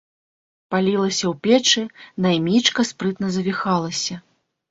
Палілася ў печы, наймічка спрытна завіхалася.